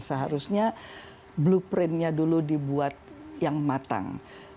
seharusnya blueprintnya dulu dibuat yang matang